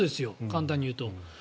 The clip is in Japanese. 簡単に言うと。